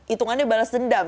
itungannya balas dendam